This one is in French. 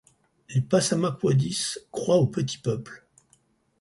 Les Passamaquoddys croient au petit peuple.